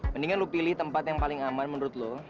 mendingan lo pilih tempat yang paling aman menurut lo